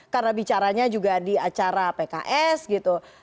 karena bicaranya juga di acara pks gitu